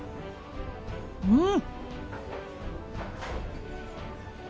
うん！